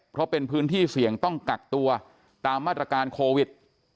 เพราะเป็นพื้นที่เสี่ยงต้องกักตัวตามมาตรการโควิด